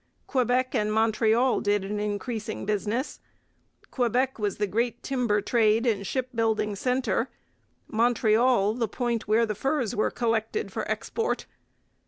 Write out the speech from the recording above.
Quebec and Montreal did an increasing business. Quebec was the great timber trade and shipbuilding centre; Montreal the point where furs were collected for export.